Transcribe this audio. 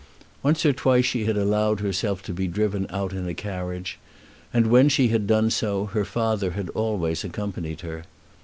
Once or twice she had allowed herself to be driven out in a carriage, and, when she had done so, her father had always accompanied her.